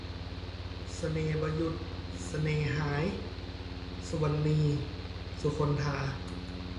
สายบ่หยุดเสน่ห์หาย - สุวรรณี สุคนธา